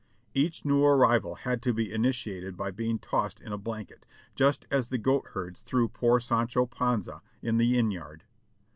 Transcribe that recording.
Each new arrival had to be initiated by being tossed in a blanket, just as the g"oatherds threw poor Sancho Panza in the inn yard.